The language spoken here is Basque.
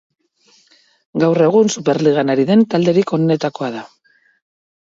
Gaur egun Superligan ari den talderik onenetakoa da.